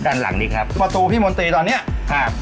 ด้านหลังนี้ครับประตูพี่มนตรีตอนเนี้ยครับ